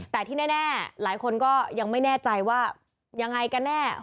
แต่ที่แน่หลายคนก็ยังไม่แน่ใจว่ายังไงกันแน่